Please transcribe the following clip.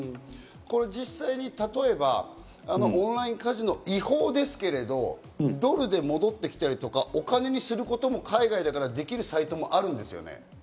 実際に例えば、オンラインカジノ、違法ですけれども、ドルで戻ってきたりとか、お金にすることも海外だからできるサイトもあるんですよね？